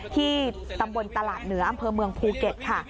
ที่ตำบลตลาดเหนืออำเภอเมืองภูเก็ตค่ะ